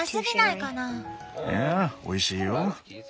いやおいしいよ。